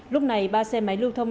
lúc này ba xe máy lưu thông